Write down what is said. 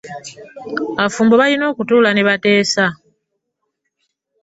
Abafumbo balina okutuula ne bateesa.